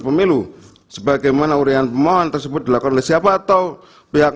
pemilu sebagaimana urian pemohon tersebut dilakukan oleh siapa atau pihak